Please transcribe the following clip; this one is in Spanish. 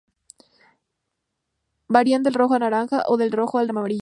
Varían del rojo al naranja, o del rojo al amarillo.